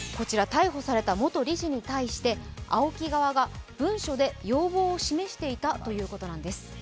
逮捕された元理事に対してＡＯＫＩ側が文書で要望を示していたということなんです。